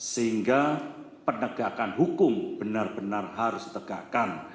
sehingga penegakan hukum benar benar harus ditegakkan